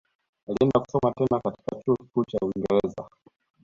Alienda kusoma tena katika chuo kikuu cha uingereza